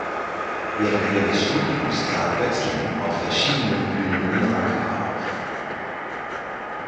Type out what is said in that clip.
Während ihres Studiums trat Özlem auf verschiedenen Bühnen in Ankara auf.